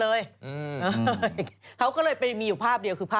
เพราะว่าตอนนี้ก็ไม่มีใครไปข่มครูฆ่า